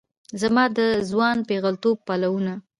زما د ځوان پیغلتوب پلونه